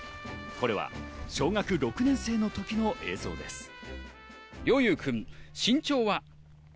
これは小学６年生の時の映像です。